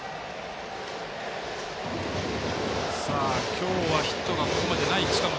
今日はヒットがここまでない近本。